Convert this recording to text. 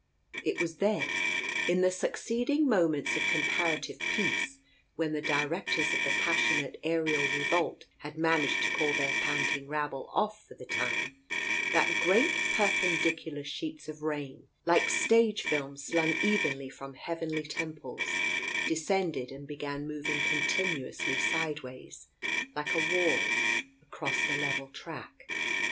It was then, in the succeeding moments of comparative peace, when the directors of the passionate aerial revolt had managed to call their panting rabble off for the time, that great perpendicular sheets of rain, like stage films slung evenly from heavenly temples, descended and began moving continuously sideways, like a wall, across the level track.